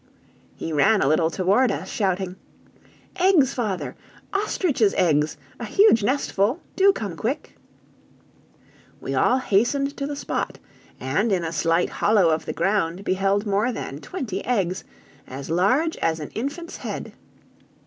He ran a little toward us, shouting: "Eggs, father! Ostriches' eggs! a huge nest full do come quick!" We all hastened to the spot, and in a slight hollow of the ground beheld more than twenty eggs, as large as an infant's head.